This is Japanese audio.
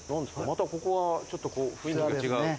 またここはちょっと雰囲気が違う。